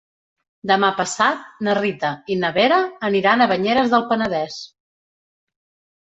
Demà passat na Rita i na Vera aniran a Banyeres del Penedès.